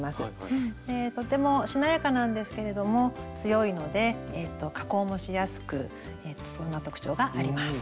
とてもしなやかなんですけれども強いので加工もしやすくそんな特徴があります。